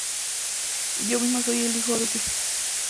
Yo mismo soy el hijo de un inmigrante.